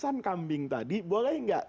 saya mau jalan kambing tadi boleh nggak